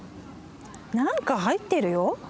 何か入ってるよ。